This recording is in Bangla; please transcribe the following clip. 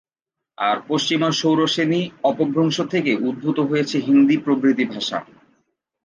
আর পশ্চিমা শৌরসেনী অপভ্রংশ থেকে উদ্ভূত হয়েছে হিন্দি প্রভৃতি ভাষা।